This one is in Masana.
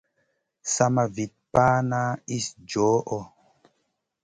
Sama Vit pana iss djoho.